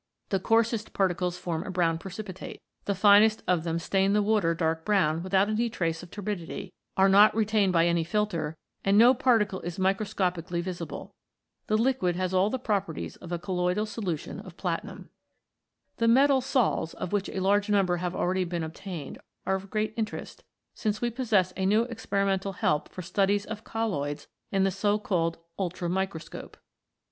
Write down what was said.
The coarsest particles form a brown precipitate. The finest of them stain the water dark brown without any trace of turbidity, are not retained by any filter, and no particle is microscopically visible. The liquid has all the properties of a colloidal solution of platinum. The metal sols, of \vhich a large number have already been obtained, are of great interest, since we possess a new experimental help for studies of colloids in the so called Ullramicroscope.